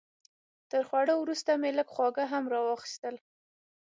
تر خوړو وروسته مې لږ خواږه هم راواخیستل.